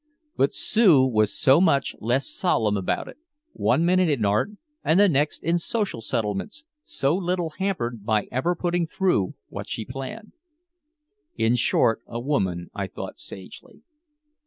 But Sue was so much less solemn about it, one minute in art and the next in social settlements, so little hampered by ever putting through what she planned. "In short, a woman," I thought sagely.